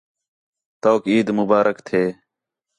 تؤک عید مبارک تھئے